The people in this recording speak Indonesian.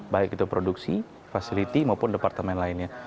baik itu produksi facility maupun departemen lainnya